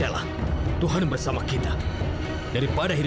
aku akan mengejar kerta legal